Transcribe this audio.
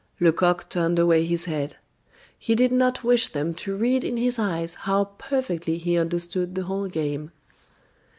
Lecoq turned away his head; he did not wish them to read in his eyes how perfectly he understood the whole game.